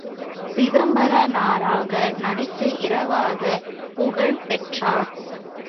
சிதம்பரனாராக நடித்து இறவாத புகழ் பெற்றார்.